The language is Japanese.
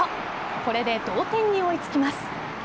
これで同点に追いつきます。